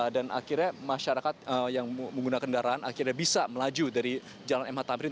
dan akhirnya masyarakat yang menggunakan kendaraan akhirnya bisa melaju dari jalan mh tamrin